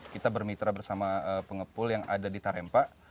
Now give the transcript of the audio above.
kita bermitra bersama pengepul yang ada di tarempa